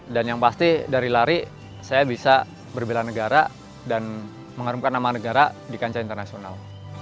dan yang pasti dari lari saya bisa berbelan negara dan mengharumkan nama negara di kancah internasional